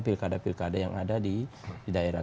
pilkada pilkada yang ada di daerah